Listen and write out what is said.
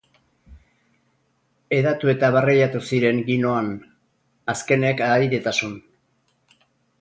Hedatu eta barreiatu ziren ginoan, azkenek ahaidetasun.